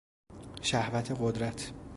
شهوت قدرت